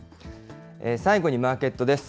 最後にマーケットです。